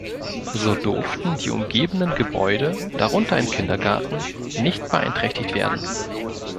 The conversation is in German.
So durften die umgebenden Gebäude, darunter ein Kindergarten, nicht beeinträchtigt werden.